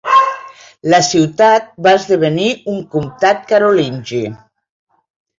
La ciutat va esdevenir un comtat carolingi.